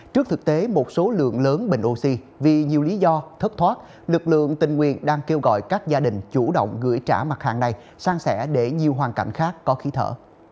trước thực tế một số lượng lớn bình oxy vì nhiều lý do thất thoát lực lượng tình nguyện đang kêu gọi các gia đình chủ động gửi trả mặt hàng này sang sẻ để nhiều hoàn cảnh khác có khí thở